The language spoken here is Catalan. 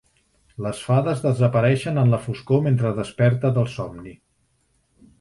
Les fades desapareixen en la foscor mentre desperta del somni.